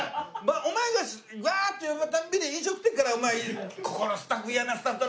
お前がワーッと言う度に飲食店からお前ここのスタッフ嫌なスタッフだなと思われて。